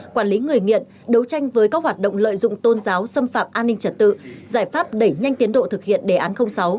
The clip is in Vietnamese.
quản lý người nghiện đấu tranh với các hoạt động lợi dụng tôn giáo xâm phạm an ninh trật tự giải pháp đẩy nhanh tiến độ thực hiện đề án sáu